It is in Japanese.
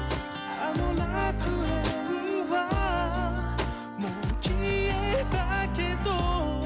「あの楽園はもう消えたけど」